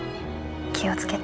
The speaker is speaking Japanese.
気を付けて。